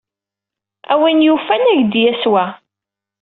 A win yufan, ad ak-d-yas wa.